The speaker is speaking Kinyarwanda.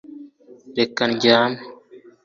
Reka ndyame